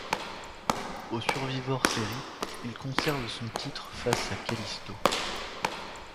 Au Survivor Series il conserve son titre face à Kalisto.